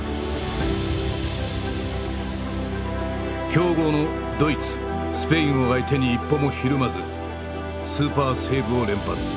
強豪のドイツスペインを相手に一歩もひるまずスーパーセーブを連発。